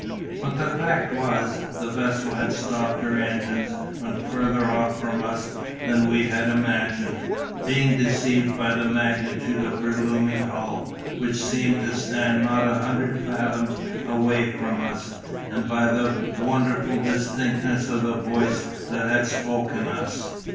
But the fact was, the vessel had stopped her engines when further off from us than we had imagined; being deceived by the magnitude of her looming hull, which seemed to stand not a hundred fathoms away from us, and by the wonderful distinctness of the voice that had spoken us.